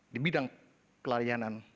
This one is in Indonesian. di bidang kelayanan